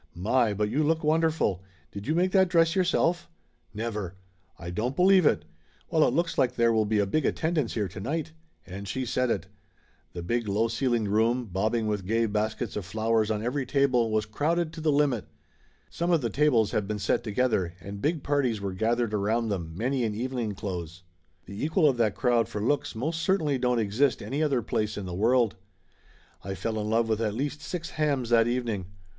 "My, but you look wonderful! Did you make that dress yourself ? Never ! I don't believe it! Well, it looks like there will be a big attendance here to night!" And she said it. The big low ceilinged room, bob bing with gay baskets of flowers on every table, was crowded to the limit. Some of the tables had been set together, and big parties was gathered around them, many in evening clothes. The equal of that crowd for looks most certainly don't exist any other place in the world. I fell in love with at least six hams that eve ning.